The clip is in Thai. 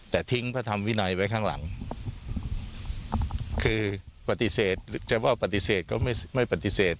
แต่ทิ้งพระธรรมวินัยไว้ข้างหลังคือปฏิเสธจะว่าปฏิเสธก็ไม่ไม่ปฏิเสธ